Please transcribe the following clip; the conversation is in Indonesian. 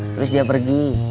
terus dia pergi